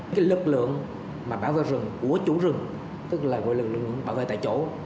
cái lực lượng bảo vệ rừng của chủ rừng tức là lực lượng bảo vệ tại chỗ